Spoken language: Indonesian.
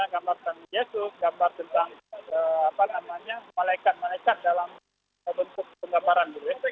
gambar tentang yesus gambar tentang apa namanya malaikat malaikat dalam bentuk pendamparan